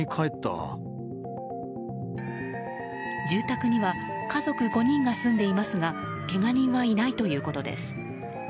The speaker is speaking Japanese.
住宅には家族５人が住んでいますがけが人はいないということです。